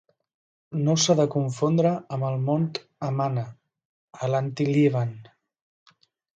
No s'ha de confondre amb el mont Amana a l'Antilíban.